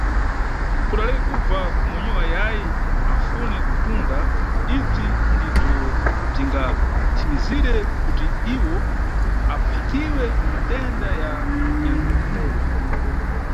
Kuti aleke kubva kumonyiwa ayayi afune kutunda, ibzi ndibzo bzingathimizire kuti iwo aphatiwe na matenda ya nyathundo.